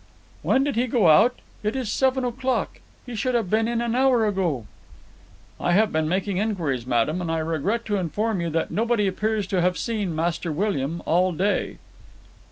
"When did he go out? It is seven o'clock; he should have been in an hour ago." "I have been making inquiries, madam, and I regret to inform you that nobody appears to have seen Master William all day."